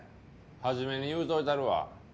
初めに言うといたるわ。